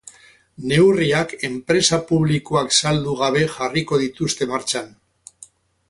Neurriak enpresa publikoak saldu gabe jarriko dituzte martxan.